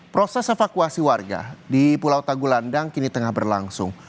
proses evakuasi warga di pulau tagulandang kini tengah berlangsung